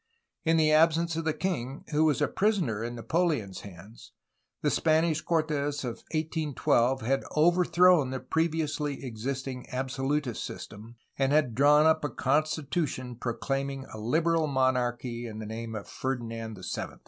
In the absence of the king, who was a pris oner in Napoleon's hands, the Spanish Cortes of 1812 had overthrown the previously existing absolutist system, and had drawn up a constitution proclaiming a hberal monarchy in the name of Ferdinand VII.